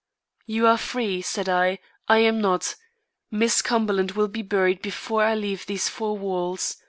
"You are free," said I; "I am not. Miss Cumberland will be buried before I leave these four walls.